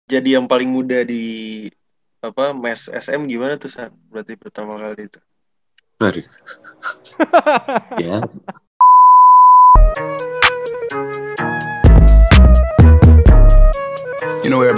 jadi yang paling muda di mes sm gimana tuh saat berarti pertama kali itu